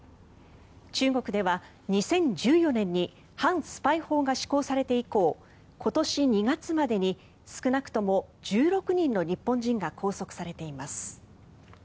中国では２０１４年に反スパイ法が施行されて以降今年２月までに少なくとも１６人の日本人が拘束されています。